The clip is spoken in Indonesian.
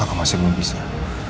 aku masih belum bisa